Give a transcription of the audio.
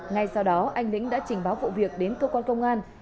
ngay sau đó anh lĩnh đã trình báo vụ việc đến cơ quan công an